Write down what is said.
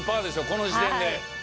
この時点で。